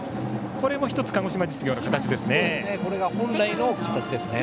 これも１つ鹿児島実業の形ですね。